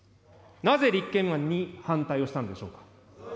なぜ立憲案に反対したのでしょうか。